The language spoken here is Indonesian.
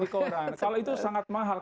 kalau itu sangat mahal